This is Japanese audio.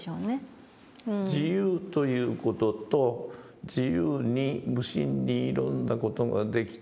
自由という事と自由に無心にいろんな事ができて。